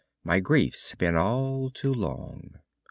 My griefs been all too long.